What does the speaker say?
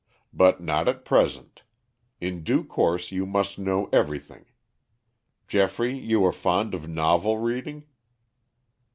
"But not at present. In due course you must know everything. Geoffrey, you are fond of novel reading?"